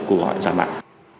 cuộc gọi dạng mạng